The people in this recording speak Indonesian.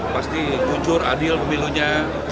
pasti kuncur adil pemilihnya